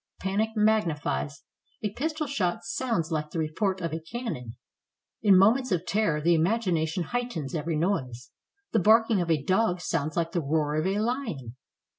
Panic magnifies: a pistol shot sounds like the re port of a cannon; in moments of terror the imagination heightens every noise; the barking of a dog sounds like the roar of a lion.